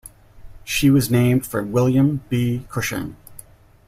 She was named for William B. Cushing.